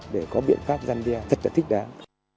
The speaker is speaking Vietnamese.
để có biện pháp dân đe thật thích đáng